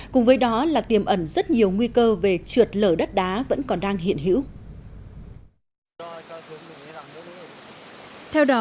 cùng với đó là tiềm ẩn rất nhiều nguy cơ về trượt lở đất đá vẫn còn đang hiện hữu